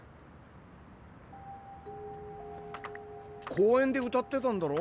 公園で歌ってたんだろ？